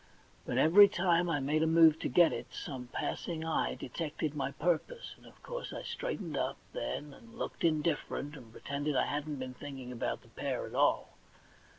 But every time I made a move to get it some passing eye detected my purpose, and of course I straightened up, then, and looked indifferent, and pretended that I hadn't been thinking about the pear at all.